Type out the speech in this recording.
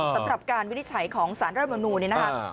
สำหรับการวินิจฉัยของสารประโยชน์เนี่ยเล่านอย่างนี้นะครับ